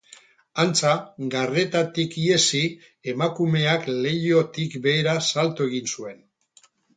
Antza, garretatik ihesi, emakumeak leihotik behera salto egin zuen.